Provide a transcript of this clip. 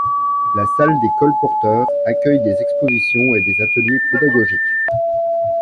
La salle des colporteurs accueille des expositions et des ateliers pédagogiques.